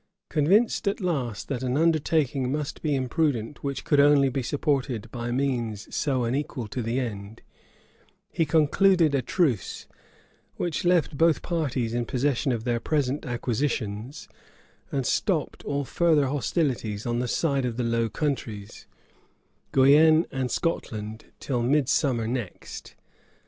Convinced at last that an undertaking must be imprudent which could only be supported by means so unequal to the end, he concluded a truce, which left both parties in possession of their present acquisitions, and stopped all further hostilities on the side of the Low Countries, Guienne, and Scotland, till midsummer next.